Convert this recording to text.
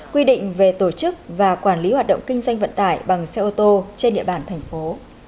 quy định về tổ chức và quản lý hoạt động kinh doanh vận tải bằng xe ô tô trên địa bàn thành phố